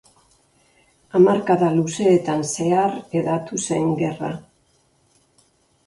Hamarkada luzeetan zehar hedatu zen gerra.